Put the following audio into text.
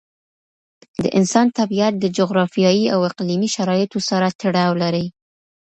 د انسان طبیعت د جغرافیایي او اقليمي شرایطو سره تړاو لري.